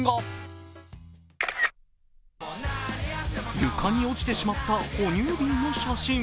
床に落ちてしまった哺乳瓶の写真。